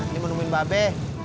ini menemuin mbak be